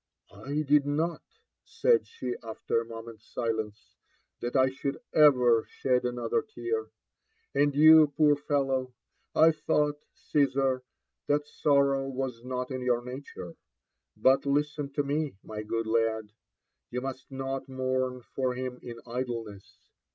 *'I did not think," said she after a moment's silence, ''that I should ever shed another tear. And you, poor fellow I I thought, Caesar, t}iat sor row was not in your nature. But listen to me, my good lad : you IBUst not mourn for him in idleness.